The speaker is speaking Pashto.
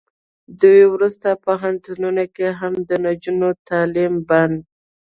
دوی ورسته پوهنتونونو کې هم د نجونو تعلیم بند